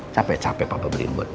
capek capek papa beliin buat dia